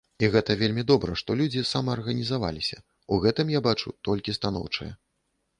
І гэта вельмі добра, што людзі самаарганізаваліся, у гэтым я бачу толькі станоўчае.